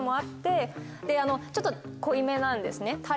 ちょっと濃いめなんですね。